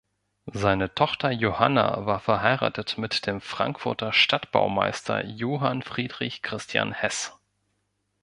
Seine Tochter "Johanna" war verheiratet mit dem Frankfurter Stadtbaumeister Johann Friedrich Christian Hess.